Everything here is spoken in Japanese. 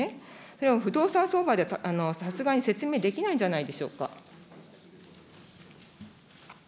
それは、不動産相場で、さすがに説明できないんじゃないでしょうか。